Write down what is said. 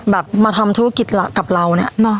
มาทำธุรกิจกับเราเนี่ย